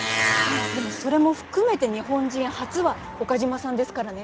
でもそれも含めて日本人初は岡島さんですからね。